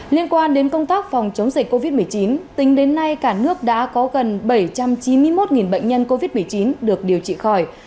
liên quan đến công tác phòng chống dịch covid một mươi chín tính đến nay cả nước đã có gần bảy trăm chín mươi một bệnh nhân covid một mươi chín được điều trị khỏi